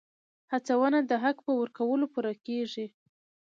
هڅونه د حق په ورکولو پوره کېږي.